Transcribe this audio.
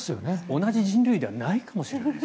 同じ人類ではないかもしれないです。